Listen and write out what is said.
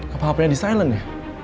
apa apanya di silent ya